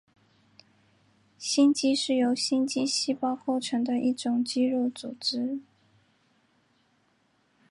心肌是由心肌细胞构成的一种肌肉组织。